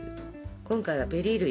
今回はベリー類。